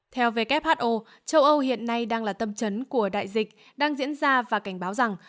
theo who châu âu hiện nay đang là tâm trấn của đại dịch đang diễn ra và cảnh báo rằng